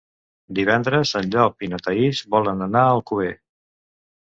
Divendres en Llop i na Thaís volen anar a Alcover.